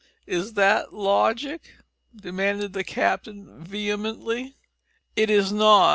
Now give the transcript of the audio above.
Is that logic?" demanded the captain, vehemently, "It is not!